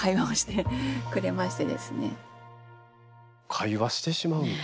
会話してしまうんや。